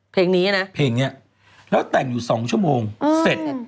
เพลงนี้นะเพลงเนี้ยแล้วแต่งอยู่สองชั่วโมงเสร็จ